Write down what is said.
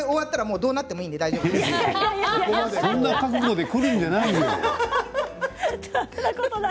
そんな覚悟でくるんじゃないよ。